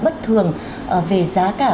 bất thường về giá cả